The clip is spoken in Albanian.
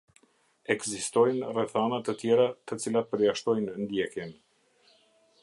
Ekzistojnë rrethana të tjera të cilat përjashtojnë ndjekjen.